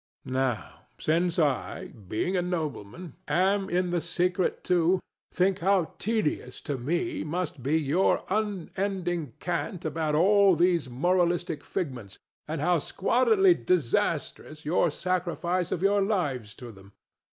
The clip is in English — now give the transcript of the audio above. Now, since I, being a nobleman, am in the secret too, think how tedious to me must be your unending cant about all these moralistic figments, and how squalidly disastrous your sacrifice of your lives to them!